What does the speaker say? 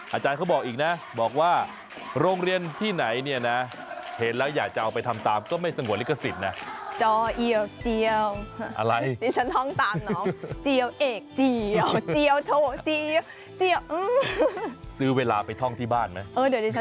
อาจารย์เขาบอกอีกนะบอกว่าโรงเรียนที่ไหนเนี่ยนะเห็นแล้วอยากจะเอาไปทำตามก็ไม่สงวนลิขสิทธิ์นะ